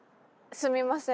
すいません。